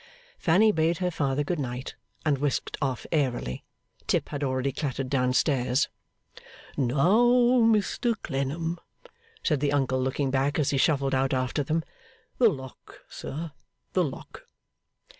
Fanny bade her father good night, and whisked off airily. Tip had already clattered down stairs. 'Now, Mr Clennam,' said the uncle, looking back as he shuffled out after them, 'the lock, sir, the lock.